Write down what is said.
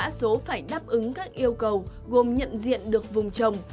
mã số phải đáp ứng các yêu cầu gồm nhận diện được vùng trồng